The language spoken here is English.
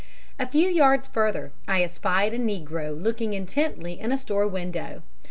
"A few yards further, I espied a negro looking intently in a store window.